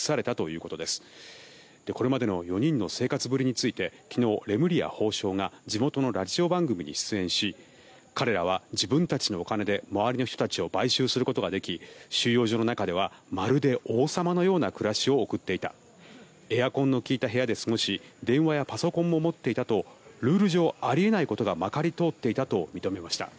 これまでの４人の生活ぶりについて昨日、レムリヤ法相が地元のラジオ番組に出演し彼らは自分たちのお金で周りの人たちを買収することができ収容所の中ではまるで王様のような暮らしを送っていたエアコンの利いた部屋で過ごし電話やパソコンも持っていたとルール上、あり得ないことがまかり通っていたと認めました。